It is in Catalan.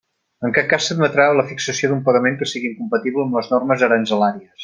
En cap cas s'admetrà la fixació d'un pagament que sigui incompatible amb les normes aranzelàries.